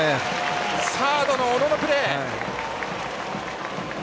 サードの小野のプレー！